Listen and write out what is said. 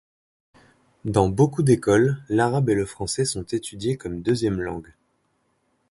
Dans beaucoup d'écoles l'arabe et le français sont étudiés comme deuxième langue.